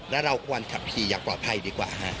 แล้วเราควรขับขี่อย่างปลอดภัยดีกว่า